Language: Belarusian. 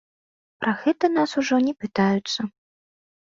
Пра гэта ў нас ужо не пытаюцца.